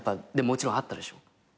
もちろんあったでしょ？